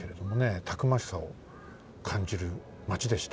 たくましさをかんじるマチでした。